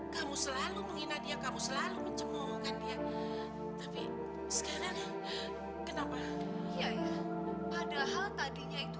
kamu selalu menghina dia kamu selalu mencemohkan dia tapi sekarang kenapa padahal tadinya itu